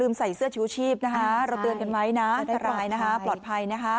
รึมใส่เสื้อชีวชีพไออเราเตือนกันไว้นะกระลายนะคะปลอดภัยนะคะ